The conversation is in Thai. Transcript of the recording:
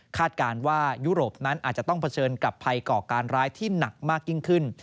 การว่ายุโรปนั้นอาจจะต้องเผชิญกับภัยก่อการร้ายที่หนักมากยิ่งขึ้น